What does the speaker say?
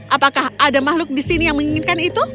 apakah ada makhluk di sini yang menginginkan itu